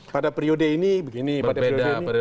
pada periode ini begini pada periode ini